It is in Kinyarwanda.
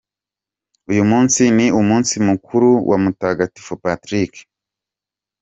Uyu munsi ni umunsi mukuru wa Mutagatifu Patrick.